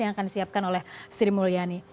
yang akan disiapkan oleh sri mulyani